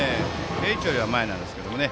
定位置よりは前なんですけどもね。